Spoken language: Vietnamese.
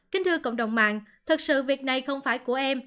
kính thưa cộng đồng mạng thật sự việc này không phải của em